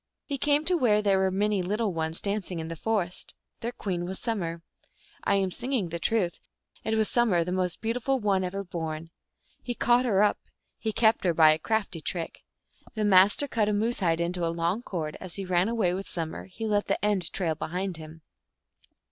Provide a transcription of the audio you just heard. He came to where there were many little ones dancing in the forest ; their queen was Summer. I am singing the truth : it was Summer, the most beau tiful one ever born. He caught her up ; he kept her by a crafty trick. The Master cut a moose hide into a long cord ; as he ran away with Summer he let the end trail behind him.